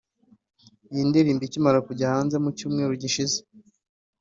Iyi ndirimbo ikimara kujya hanze mu cyumweru gishize